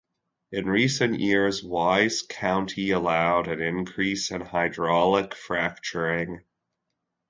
In recent years, Wise County allowed an increase in hydraulic fracturing.